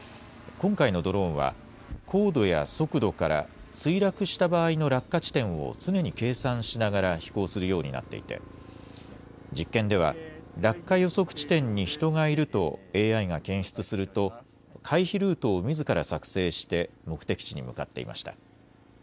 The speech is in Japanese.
今回のドローンは、高度や速度から墜落した場合の落下地点を常に計算しながら飛行するようになっていて、実験では落下予測地点に人がいるとＡＩが検出すると、回避ルートをみずから作成して目的地に向かっていました。